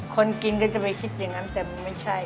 คนกินก็จะไปคิดอย่างนั้นแต่มันไม่ใช่